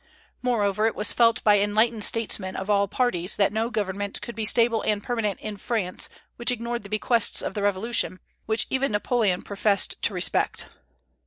Moreover, it was felt by enlightened statesmen of all parties that no government could be stable and permanent in France which ignored the bequests of the Revolution, which even Napoleon professed to respect.